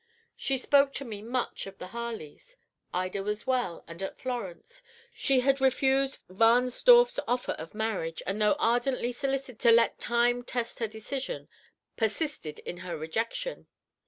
She spoke to me much of the Harleys. Ida was well, and at Florence. She had refused Wahnsdorf's offer of marriage, and though ardently solicited to let time test her decision, persisted in her rejection.